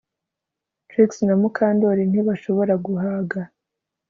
Trix na Mukandoli ntibashobora guhaga